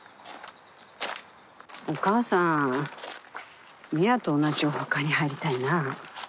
お母さん深愛と同じお墓に入りたいな。